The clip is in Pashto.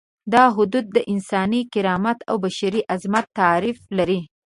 دا حدود د انساني کرامت او بشري عظمت تعریف لري.